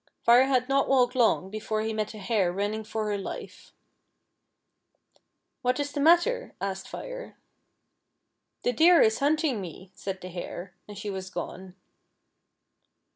Fire had not walked long before he met a hare running for her life. " What is the matter t " asked Fire. " The Deer is hunting me," said the Hare, and she was gone.